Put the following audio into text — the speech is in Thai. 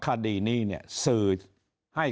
อย่างกันจะปิดคดี